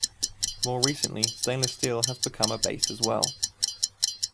More recently stainless steel has become a base as well.